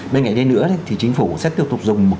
bên cạnh đấy nữa thì chính phủ sẽ tiếp tục dùng